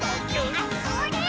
あ、それっ！